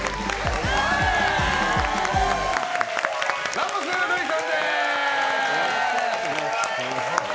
ラモス瑠偉さんです！